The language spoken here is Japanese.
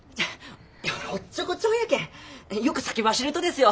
俺おっちょこちょいやけんよく先走るとですよ。